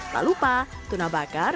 tak lupa tuna bakar